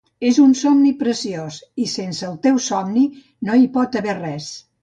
és un somni preciós i sense el teu somni no hi pot haver res